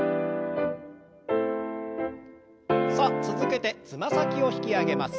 さあ続けてつま先を引き上げます。